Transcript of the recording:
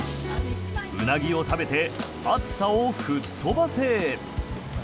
ウナギを食べて暑さを吹っ飛ばせ！